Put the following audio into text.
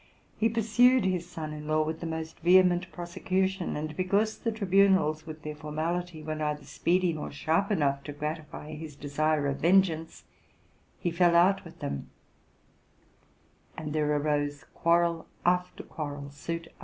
He ptirsued his son in law with the most vehement prosecution: and because the tribunals, with their formality, were neither speedy nor sharp enough to gratify his desire of vengeance, he fell out with them ; ancl there arose quarrel after quarrel, suit after suit.